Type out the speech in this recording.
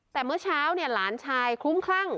แต่เมื่อเช้าเนี่ยหลานชายคลุ้มคลั่ง